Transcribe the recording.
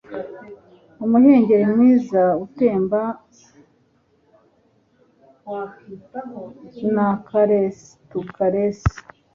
umuhengeri mwiza, utemba utemba, na caress to caress